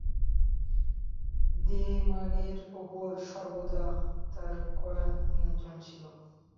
দেমাগের উপর সর্বদা তার কড়া নিয়ন্ত্রণ ছিল।